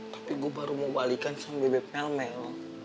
tapi gue baru mau balikan sama bibit melmel